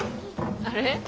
あれ？